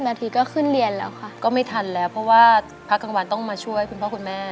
นาทีก็ขึ้นเรียนแล้วค่ะก็ไม่ทันแล้วเพราะว่าพักกลางวันต้องมาช่วยคุณพ่อคุณแม่